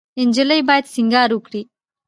انجلۍ باید سینګار وکړي.